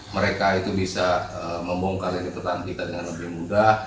mereka itu bisa membongkar petani kita dengan lebih mudah